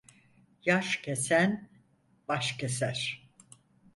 Yaş kesen, baş keser.